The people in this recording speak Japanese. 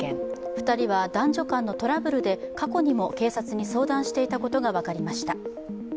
２人は男女間のトラブルで過去にも警察に相談していたことが分かりました。